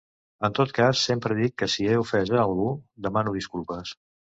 En tot cas, sempre dic que si he ofès a algú, demano disculpes.